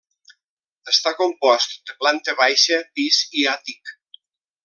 Està compost de planta baixa, pis i àtic.